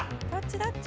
どっち？